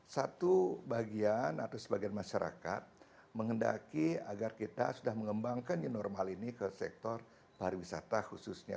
satu bagian atau sebagian masyarakat mengendaki agar kita sudah mengembangkan new normal ini ke sektor pariwisata khususnya